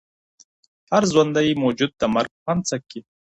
هر ژوندی موجود د مرګ خوند څکي.